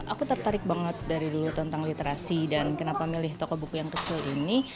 aku tertarik banget dari dulu tentang literasi dan kenapa milih toko buku yang kecil ini